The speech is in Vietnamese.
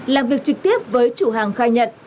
làm việc trực tiếp với chủ hàng khai nhận